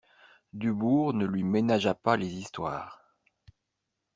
Dubourg ne lui ménagea pas les histoires.